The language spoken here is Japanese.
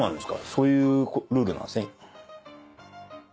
そういうルールなんすね。